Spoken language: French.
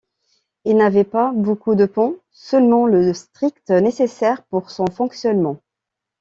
Il n'avait pas beaucoup de ponts, seulement le strict nécessaire pour son fonctionnement.